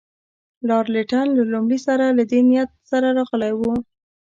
لارډ لیټن له لومړي سره له دې نیت سره راغلی وو.